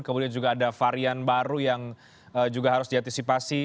kemudian juga ada varian baru yang juga harus diantisipasi